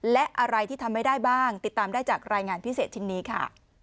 และอะไรที่ทำไม่ได้บ้างติดตามได้จากรายงานพิเศษชิ้นนี้ค่ะ